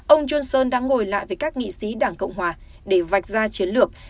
ông johnson đang ngồi lại với các nghị sĩ đảng cộng hòa để vạch ra chiến lược